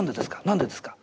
何でですか？